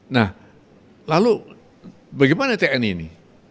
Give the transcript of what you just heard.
nah lalu bagaimana tni ini